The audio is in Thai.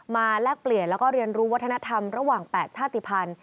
แลกเปลี่ยนแล้วก็เรียนรู้วัฒนธรรมระหว่าง๘ชาติภัณฑ์